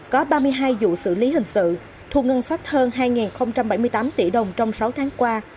có ba mươi hai vụ xử lý hình sự thu ngân sách hơn hai bảy mươi tám tỷ đồng trong sáu tháng qua